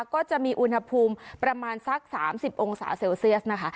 ก็จะมีอุณหภูมิประมาณสัก๓๐องศาเซลเซียสนะคะ